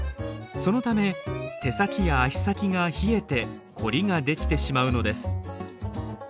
そのため手先や足先が冷えてコリが出来てしまうのです。